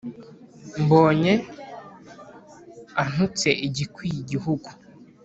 mbonye antutse igikwiye igihugu,